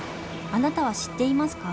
あなたは知っていますか？